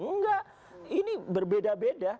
nggak ini berbeda beda